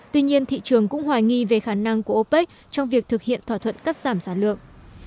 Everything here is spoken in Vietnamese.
tuy nhiên thị trường cũng hoài nghi về khả năng của opec trong việc thực hiện thỏa thuận cắt giảm sản lượng